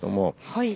はい。